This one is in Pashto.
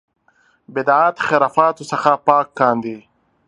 بدعت خرافاتو څخه پاک کاندي.